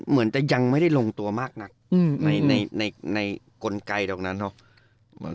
เหมือนจะยังไม่ได้ลงตัวมากนักในกลไกดอกนั้นเนาะ